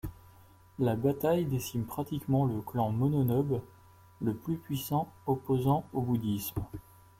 La bataille décime pratiquement le clan Mononobe, le plus puissant opposant au Bouddhisme.